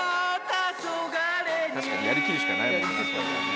確かにやり切るしかないもんなこれはね。